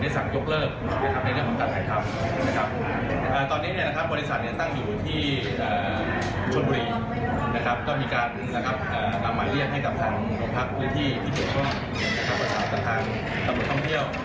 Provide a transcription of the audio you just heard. รับแจ้งว่า๑นายกำลังเดินทางเข้าไปพบเจ้าที่ของการท่องเที่ยว